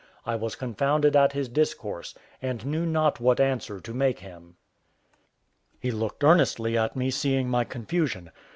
I was confounded at his discourse, and knew not what answer to make him. He looked earnestly at me, seeing my confusion.